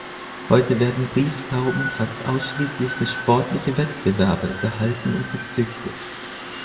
Heute werden Brieftauben fast ausschließlich für sportliche Wettbewerbe gehalten und gezüchtet.